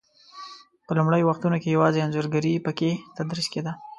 په لومړنیو وختو کې یوازې انځورګري په کې تدریس کېده.